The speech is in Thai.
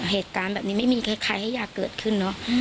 เหตุการณ์แบบนี้ไม่มีใครให้อยากเกิดขึ้นเนอะ